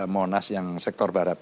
monas yang sektor barat